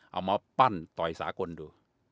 เอามาปั้นต่อยสากลดู